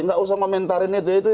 gak usah ngomentarinnya